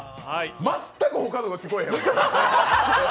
全く他のが聞こえへん。